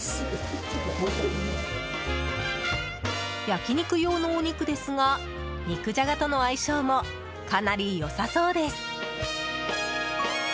焼き肉用のお肉ですが肉じゃがとの相性もかなり良さそうです。